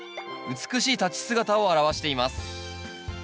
美しい立ち姿を表しています。